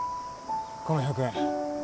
この１００円